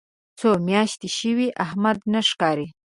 څو میاشتې شوې احمد نه ښکاري.